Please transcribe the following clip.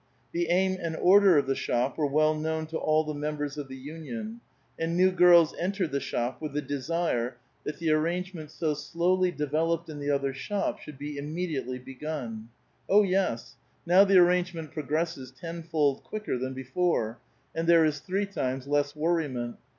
The aim and order of the shop were well known to all the members of the union, and new girls entered the shop with the desire that the aiTangement so slowly de veloi)ed in the other shop should be immediately begun. Oh, yes, now the arrangement progresses tenfold quicker than before, and there is three times less worriment.